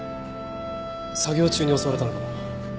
作業中に襲われたのかも。